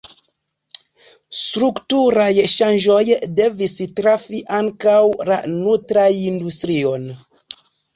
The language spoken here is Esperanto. Strukturaj ŝanĝoj devis trafi ankaŭ la nutraĵindustrion.